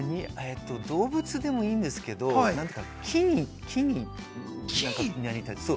動物でもいいんですけど、木になりたい。